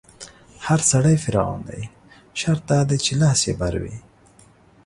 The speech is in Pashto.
هر سړی فرعون دی، شرط دا دی چې لاس يې بر وي